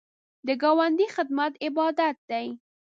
د ګاونډي خدمت عبادت دی